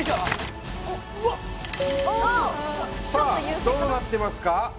さあどうなってますか？